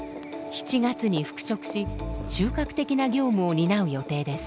７月に復職し中核的な業務を担う予定です。